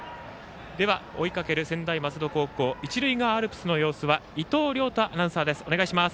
では、追いかける専大松戸高校一塁側アルプスの様子は伊藤亮太アナウンサーです。